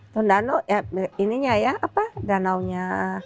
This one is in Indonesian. tondano ininya ya apa danaunya